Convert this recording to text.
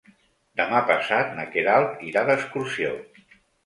Demà passat na Queralt irà d'excursió.